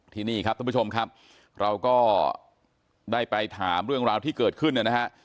ที่นี่ครับท่านผู้ชมครับเราก็ได้ไปถามเรื่องราวที่เกิดขึ้นเนี่ยนะฮะ